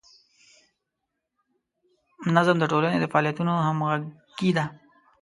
نظم د ټولنې د فعالیتونو همغږي ده.